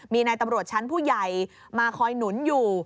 มีนายตำรวจชั้นผู้ใหญ่มาคอยหนุนอยู่